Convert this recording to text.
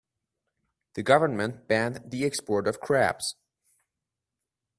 The government banned the export of crabs.